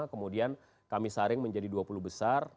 kemudian kami saring menjadi dua puluh besar